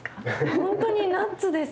本当にナッツです！